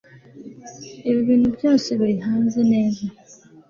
ni ibintu byose biri hanze neza